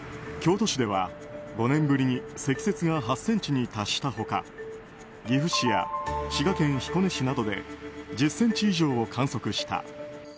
京都市では５年ぶりに積雪が８ｃｍに達した他岐阜市や滋賀県彦根市などで１０ｃｍ以上を観測した。